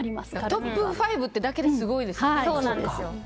トップ５ってだけですごいですよね。